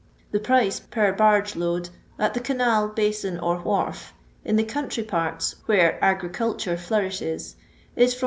The price per barge load at the canal, basin, or wharf, in the country parts where agriculture flourishes, is from 5